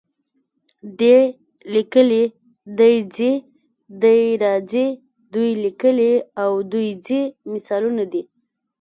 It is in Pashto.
دی لیکي، دی ځي، دی راځي، دوی لیکي او دوی ځي مثالونه دي.